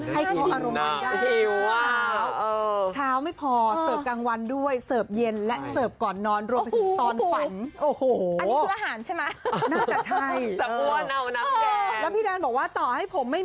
ให้อารมณ์มันได้เช้าเช้าไม่พอเสิร์ฟกลางวันด้วยเสิร์ฟเย็นและเสิร์ฟก่อนนอนรวมไปถึงตอนฝัน